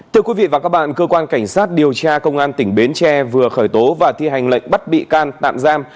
thưa quý vị và các bạn cơ quan cảnh sát điều tra công an tỉnh bến tre vừa khởi tố và thi hành lệnh bắt bị can tạm giam